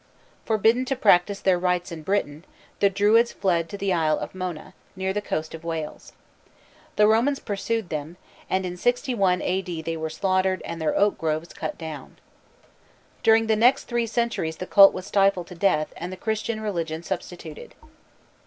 Forbidden to practise their rites in Britain, the Druids fled to the isle of Mona, near the coast of Wales. The Romans pursued them, and in 61 A. D. they were slaughtered and their oak groves cut down. During the next three centuries the cult was stifled to death, and the Christian religion substituted.